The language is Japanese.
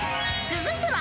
［続いては］